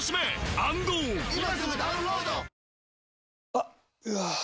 あっ、うわー。